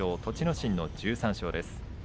心の１３勝です。